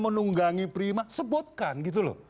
menunggangi prima sebutkan gitu loh